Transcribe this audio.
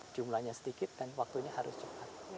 jumlahnya sedikit dan waktunya harus cepat